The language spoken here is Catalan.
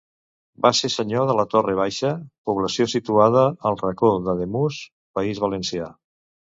Va ser senyor de la Torrebaixa, població situada al Racó d'Ademús, País Valencià.